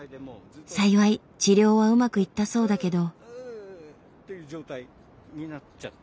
幸い治療はうまくいったそうだけど。